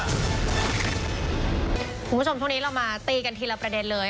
คุณผู้ชมช่วงนี้เรามาตีกันทีละประเด็นเลย